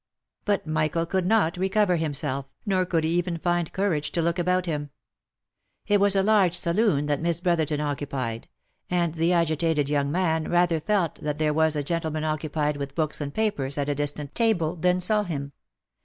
But Michael could not recover himself, nor could he even find cou rage to look about him. It was a large saloon that Miss Brotherton occupied, and the agitated young man rather felt that there was a gentleman occupied with books and papers at a distant table, than saw him.